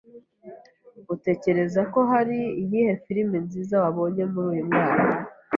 Utekereza ko ari iyihe filime nziza wabonye muri uyu mwaka?